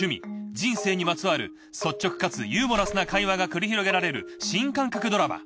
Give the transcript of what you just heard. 人生にまつわる率直かつユーモラスな会話が繰り広げられる新感覚ドラマ。